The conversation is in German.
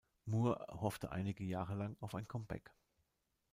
Moore hoffte einige Jahre lang auf ein Comeback.